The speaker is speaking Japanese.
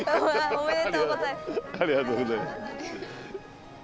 ありがとうございます。